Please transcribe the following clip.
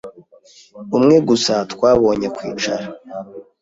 Umwe gusa twabonye kwicara